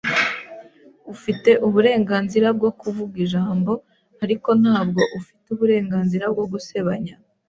Ufite uburenganzira bwo kuvuga ijambo, ariko ntabwo ufite uburenganzira bwo gusebanya.